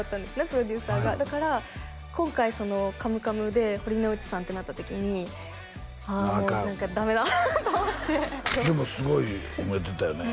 プロデューサーがだから今回「カムカム」で堀之内さんってなった時にああもう何かダメだと思ってでもすごい褒めてたよね